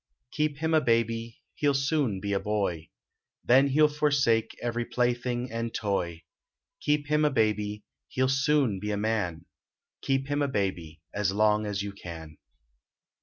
Keep him a baby : he ll soon be a boy, Then he ll forsake every plaything and toy ; Keep him a baby he ll soon be a man, Keep him a baby as long as you can.